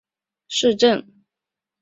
里茨塔特是德国黑森州的一个市镇。